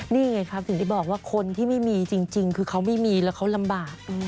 นี่ไงครับถึงได้บอกว่าคนที่ไม่มีจริงคือเขาไม่มีแล้วเขาลำบาก